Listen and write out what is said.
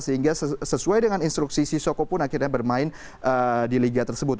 sehingga sesuai dengan instruksi sisoko pun akhirnya bermain di liga tersebut